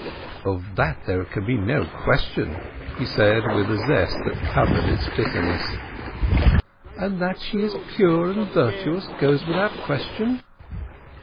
"Of that there can be no question!" he said, with a zest which covered its bitterness. "And that she is pure and virtuous goes without question?"